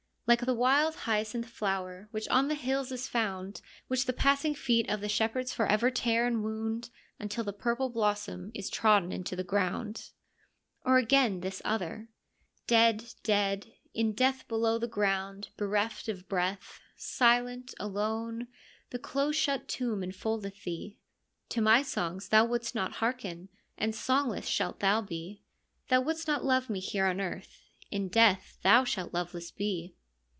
Like the wild hyacinth flower, which on the hills is found, Which the passing feet of the shepherds for ever tear and wound, Until the purple blossom is trodden into the ground. THE LYRIC POETS 41 Or, again, this other : Dead, dead. — In death, Below the ground, bereft of breath, Silent, alone, the close shut tomb enfoldeth thee. To my songs thou wouldst not hearken, and songless shalt thou be ; Thou wouldst not love me here on earth, In death thou shalt loveless be.